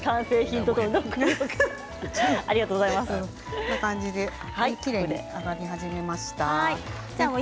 こんな感じできれいに揚がり始めました。